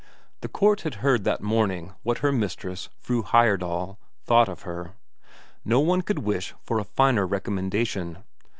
The court had heard that morning what her mistress, Fru Heyerdahl, thought of her no one could wish for a finer recommendation.